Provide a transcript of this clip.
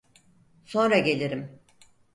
Sonra gelirim.